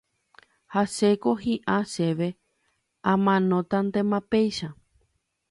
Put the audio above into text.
Ha chéko hi'ã chéve amanótantema péicha